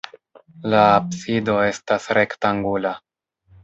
La absido estas rektangula.